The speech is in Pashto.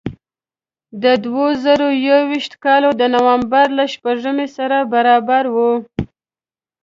د دوه زره یو ویشت کال د نوامبر له شپږمې سره برابر و.